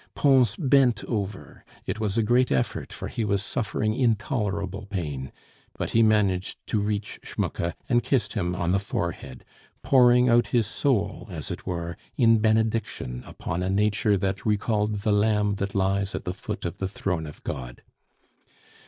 Pons bent over it was a great effort, for he was suffering intolerable pain; but he managed to reach Schmucke, and kissed him on the forehead, pouring out his soul, as it were, in benediction upon a nature that recalled the lamb that lies at the foot of the Throne of God.